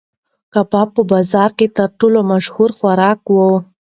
کباب په بازار کې تر ټولو مشهور خوراک و.